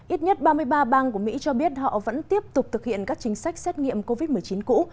ít nhất ba mươi ba bang của mỹ cho biết họ vẫn tiếp tục thực hiện các chính sách xét nghiệm covid một mươi chín cũ